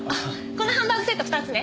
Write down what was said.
このハンバーグセット２つね。